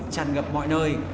chẳng gặp mọi nơi